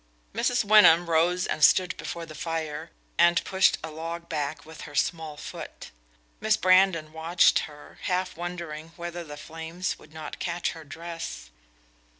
Mrs. Wyndham rose and stood before the fire, and pushed a log back with her small foot. Miss Brandon watched her, half wondering whether the flames would not catch her dress.